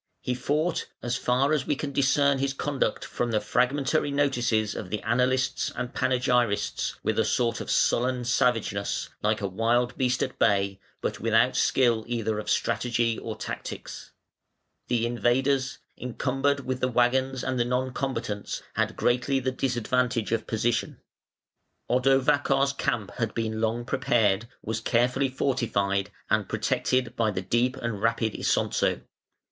He fought (as far as we can discern his conduct from the fragmentary notices of the annalists and panegyrists) with a sort of sullen savageness, like a wild beast at bay, but without skill either of strategy or tactics. The invaders, encumbered with the waggons and the non combatants, had greatly the disadvantage of position. Odovacar's camp had been long prepared, was carefully fortified, and protected by the deep and rapid Isonzo.